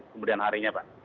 kemudian harinya pak